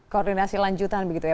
koordinasi lanjutan begitu ya